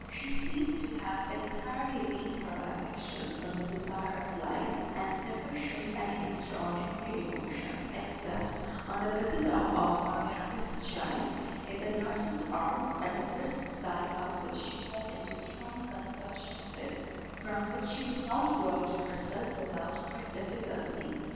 She seemed to have entirely weaned her affections from the desire of life, and never showed any extraordinary emotions, except on the visit of her youngest child, in the nurse's arms, at the first sight of which she fell into strong convulsion fits, from which she was not brought to herself without great difficulty.